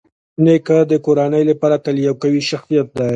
نیکه د کورنۍ لپاره تل یو قوي شخصيت دی.